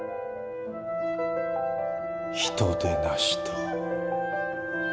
「人でなし」と。